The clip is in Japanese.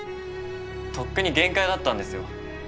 とっくに限界だったんですよ。